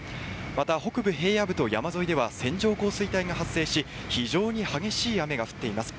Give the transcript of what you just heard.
また、北部、平野部と山沿いでは線状降水帯が発生し非常に激しい雨が降っています。